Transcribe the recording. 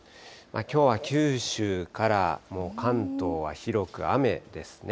きょうは九州からもう関東は広く雨ですね。